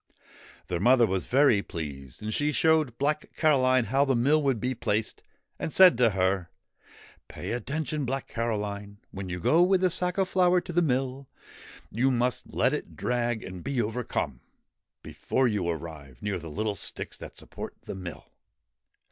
Their mother was very pleased, and she showed Black Caroline how the mill would be placed, and said to her :' Pay attention, Black Caroline : when you go with the sack of flour to the mill, you must let it drag and be overcome, before you arrive near the little sticks that support the mill.